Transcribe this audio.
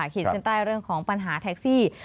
ขีดเส้นใต้เรื่องของปัญหาแท็กซี่